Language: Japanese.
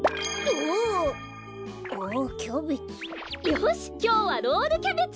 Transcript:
よしきょうはロールキャベツ！